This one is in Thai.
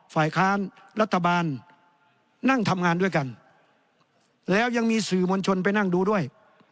ฝ่ายค้านรัฐบาลนั่งทำงานด้วยกันแล้วยังมีสื่อมวลชนไปนั่งดูด้วย